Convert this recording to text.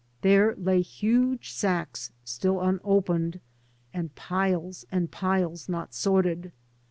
There lay huge sacks still unopened, and piles and piles not sorted.